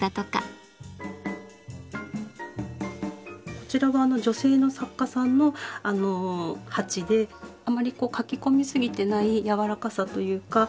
こちらは女性の作家さんの鉢であまり描き込みすぎてない柔らかさというか。